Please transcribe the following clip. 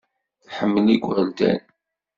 Tḥemmel igerdan.